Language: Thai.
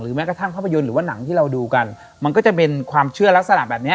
แม้กระทั่งภาพยนตร์หรือว่าหนังที่เราดูกันมันก็จะเป็นความเชื่อลักษณะแบบเนี้ย